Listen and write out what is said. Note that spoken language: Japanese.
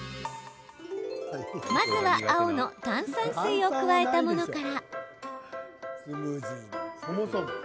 まずは青の炭酸水を加えたものから。